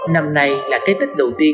năm này là cái tết đầu tiên